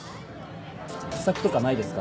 秘策とかないですかね？